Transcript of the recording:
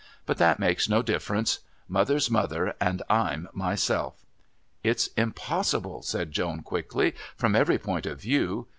But that makes no difference. Mother's mother and I'm myself." "It's impossible," said Joan quickly, "from every point of view.